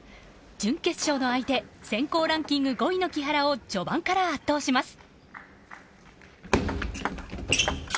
準決勝の相手、選考ランキング５位の木原を序盤から圧倒します。